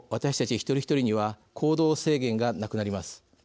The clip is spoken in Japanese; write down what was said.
一人一人には行動制限がなくなります。